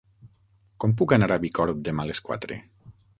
Com puc anar a Bicorb demà a les quatre?